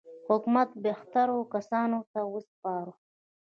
حکومت بهترو کسانو ته وسپارو.